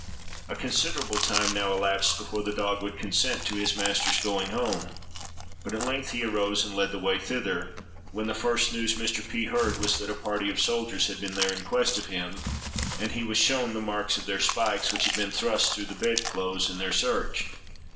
A considerable time now elapsed before the dog would consent to his master's going home; but at length he arose and led the way thither, when the first news Mr. P—— heard was, that a party of soldiers had been there in quest of him; and he was shown the marks of their spikes, which had been thrust through the bed clothes in their search.